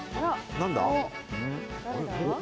何だ？